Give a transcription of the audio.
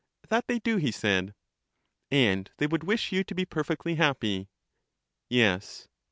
That they do, he said. And they would wish you to be perfectly happy. Yes.